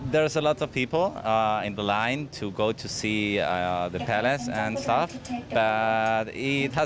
แต่โจรสรรคันนี้โอกาสเพิ่งดีกว่า